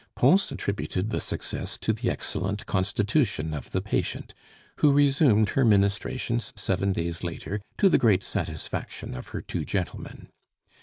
Pons attributed the success to the excellent constitution of the patient, who resumed her ministrations seven days later to the great satisfaction of her two gentlemen.